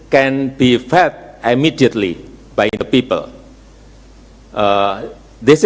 yang dapat diperlukan dengan cepat oleh negara